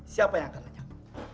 siapa yang akan lenyap